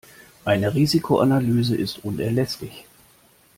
Eine Risikoanalyse ist unerlässlich.